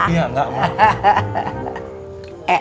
iya enggak mak